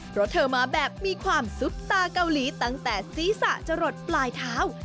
เพราะเธอมาแบบมีความซุปตาเกาหลีตั้งแต่ศีรษะจะหลดปลายเท้า